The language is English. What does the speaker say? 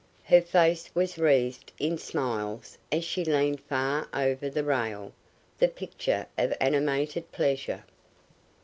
Her face was wreathed in smiles as she leaned far over the rail, the picture of animated pleasure.